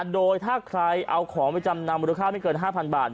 โดยถ้าใครเอาของไปจำนำมูลค่าไม่เกิน๕๐๐บาท